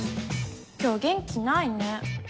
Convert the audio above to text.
今日元気ないね。